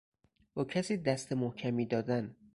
با کسی دست محکمی دادن